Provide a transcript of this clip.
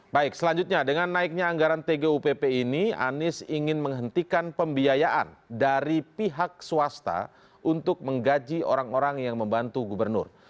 baik selanjutnya dengan naiknya anggaran tgupp ini anies ingin menghentikan pembiayaan dari pihak swasta untuk menggaji orang orang yang membantu gubernur